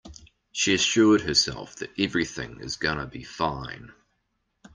She assured herself that everything is gonna be fine.